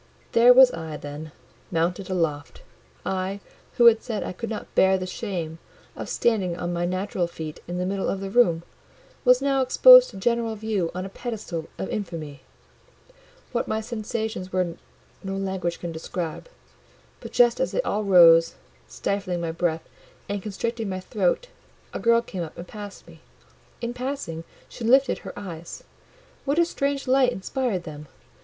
There was I, then, mounted aloft; I, who had said I could not bear the shame of standing on my natural feet in the middle of the room, was now exposed to general view on a pedestal of infamy. What my sensations were, no language can describe; but just as they all rose, stifling my breath and constricting my throat, a girl came up and passed me: in passing, she lifted her eyes. What a strange light inspired them!